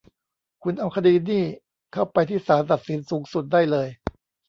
คุณเอาคดีนี่เข้าไปที่ศาลตัดสินสูงสุดได้เลย